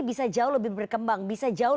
bisa jauh lebih berkembang bisa jauh